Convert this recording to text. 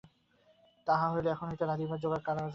তাহা হইলে এখন হইতে রাঁধিবার জোগাড় করা যাক–কী বল?